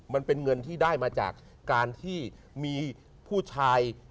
มันเป็นเงินที่ได้มาจากการที่มีผู้ชาย